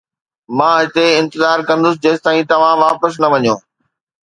مان هتي انتظار ڪندس جيستائين توهان واپس نه وڃو